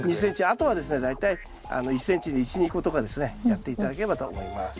あとはですね大体１ｃｍに１２個とかですねやって頂ければと思います。